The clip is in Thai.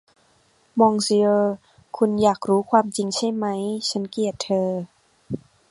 มองซิเออร์ คุณอยากรู้ความจริงใช่ไหม ฉันเกลียดเธอ